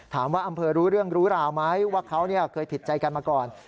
อำเภอรู้เรื่องรู้ราวไหมว่าเขาเคยผิดใจกันมาก่อน